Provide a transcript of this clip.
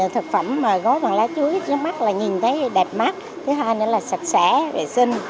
thực phẩm mà gó bằng lá chuối trước mắt là nhìn thấy đẹp mắt thứ hai nữa là sạch sẽ vệ sinh